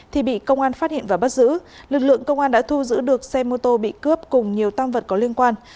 thì bị công an phát hiện và bắt giữ lực lượng công an đã thu giữ được xe mô tô bị cướp cùng nhiều tam vật có liên quan